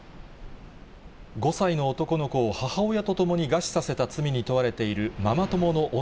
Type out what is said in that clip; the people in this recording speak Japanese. ５歳の男の子を母親とともに餓死させた罪に問われているママ